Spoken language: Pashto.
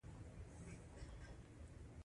تمدن د پوهې له لارې وده کوي.